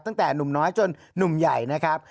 ตั้งแต่หนุ่มน้อยจนหนุ่มใหญ่นะครับ